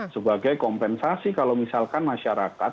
sebagai kompensasi kalau misalkan masyarakat